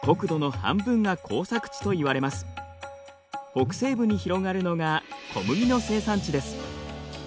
北西部に広がるのが小麦の生産地です。